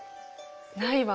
ないわ。